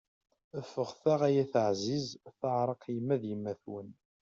Ffɣet-aɣ ay At ɛziz, teɛṛeq yemma d yemmat-wen!